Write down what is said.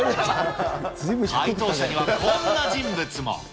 解答者にはこんな人物も。